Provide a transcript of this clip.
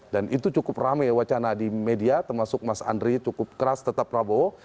dan itu cukup rame wacana di media termasuk mas andri cukup keras tetap prabowo